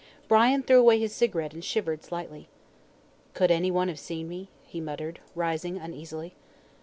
Brian threw away his cigarette and shivered slightly. "Could anyone have seen me?" he muttered, rising uneasily.